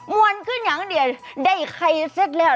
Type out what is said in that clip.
วนขึ้นอย่างเดียวได้ไข่เสร็จแล้ว